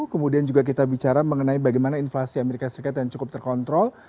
kemudian juga kita bicara mengenai bagaimana inflasi amerika serikat yang cukup terkontrol